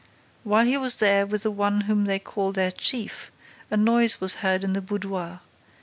While he was there with the one whom they call their chief, a noise was heard in the boudoir.